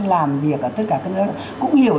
làm việc ở tất cả các nước cũng hiểu